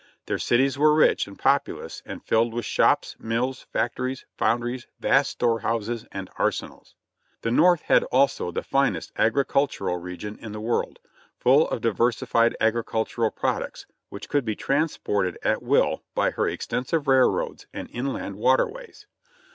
Their cities were rich and populous and filled with shops, mills, factories, foundries, vast store houses and arsenals. The North had also the finest agricultural region in the world, full of diversified agri cultural products, which could be transported at will by her ex tensive railroads and inland waterways.